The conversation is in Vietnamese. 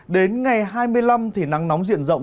đến ngày hai mươi năm thì nắng nóng diện rộng